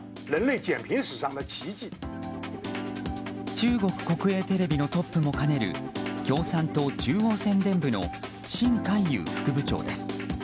中国国営テレビのトップも兼ねる共産党中央宣伝部のシン・カイユウ副部長です。